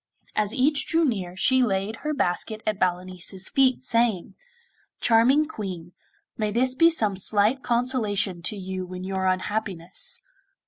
As each drew near she laid her basket at Balanice's feet, saying: 'Charming Queen, may this be some slight consolation to you in your unhappiness!